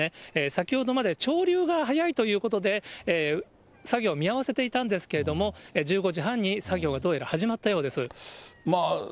先ほどまで潮流が速いということで、作業を見合わせていたんですけども、１５時半に作業はどうやら始まったようです。